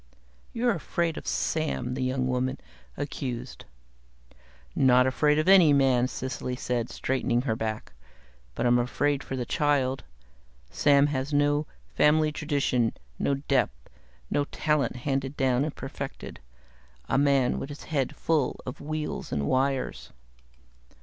"You're afraid of Sam," the young woman accused. "Not afraid of any man!" Cecily said, straightening her back. "But I'm afraid for the child. Sam has no family tradition, no depth, no talent handed down and perfected. A man with his head full of wheels and wires."